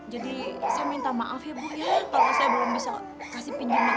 jadi saya minta maaf ya bu ya kalau saya belum bisa kasih pinjaman sekali